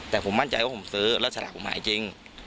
แต่ผมมั่นใจว่าผมซื้อแล้วสลากผมหายจริง